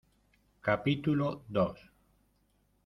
capítulo dos.